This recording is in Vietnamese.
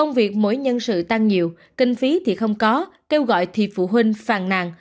nhân sự tăng nhiều kinh phí thì không có kêu gọi thì phụ huynh phàn nàn